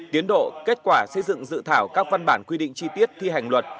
tiến độ kết quả xây dựng dự thảo các văn bản quy định chi tiết thi hành luật